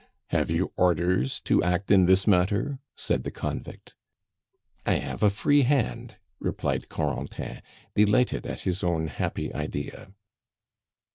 "Have you orders to act in this matter?" said the convict. "I have a free hand," replied Corentin, delighted at his own happy idea.